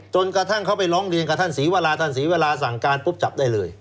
กระทั่งเขาไปร้องเรียนกับท่านศรีวราท่านศรีเวลาสั่งการปุ๊บจับได้เลย